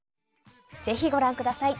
ぜひ、ご覧ください。